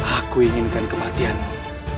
aku inginkan kematianmu